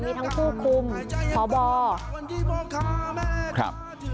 มีทั้งผู้คุมพอบอ